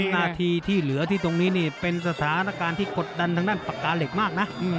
นาทีที่เหลือที่ตรงนี้นี่เป็นสถานการณ์ที่กดดันทางด้านปากกาเหล็กมากนะ